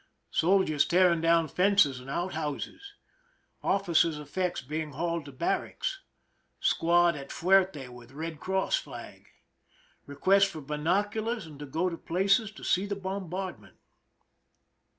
Soldiers tearing down fences and out houses J officers' effects being hauled to barracks. Squad at fuerte with Red Cross flag. Request for binoculars and to go to place to see bombardment.